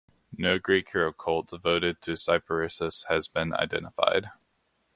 No Greek hero cult devoted to Cyparissus has been identified.